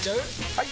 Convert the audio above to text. ・はい！